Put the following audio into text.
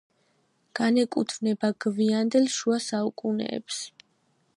განეკუთვნება გვიანდელ შუა საუკუნეებს.